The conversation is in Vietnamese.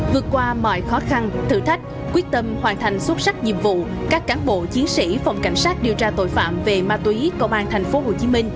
vượt qua mọi khó khăn thử thách quyết tâm hoàn thành xuất sắc nhiệm vụ các cán bộ chiến sĩ phòng cảnh sát điều tra tội phạm về ma túy công an tp hcm